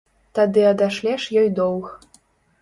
Тады адашлеш ёй доўг.